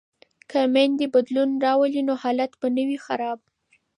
که میندې بدلون راولي نو حالت به نه وي خراب.